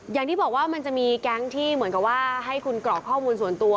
อย่างที่บอกว่ามันจะมีแก๊งที่เหมือนกับว่าให้คุณกรอกข้อมูลส่วนตัว